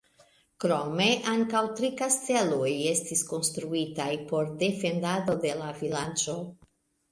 Krome, ankaŭ tri kasteloj estis konstruitaj por defendado de la vilaĝo.